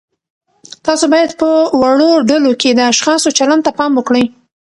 تاسو باید په وړو ډلو کې د اشخاصو چلند ته پام وکړئ.